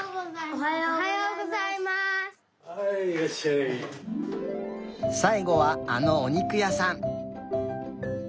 さいごはあのおにくやさん！